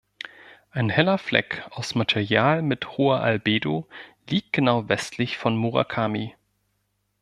Ein heller Fleck aus Material mit hoher Albedo liegt genau westlich von Murakami.